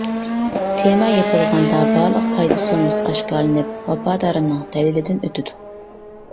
تېما يېپىلغاندا بارلىق پايدا سوممىسى ئاشكارىلىنىپ ۋاپادارىمنىڭ دەلىلىدىن ئۆتىدۇ.